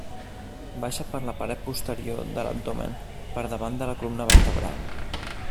Baixa per la paret posterior de l'abdomen per davant de la columna vertebral.